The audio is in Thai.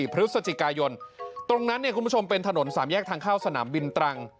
พฤศจิกายนตรงนั้นเนี่ยคุณผู้ชมเป็นถนนสามแยกทางเข้าสนามบินตรัง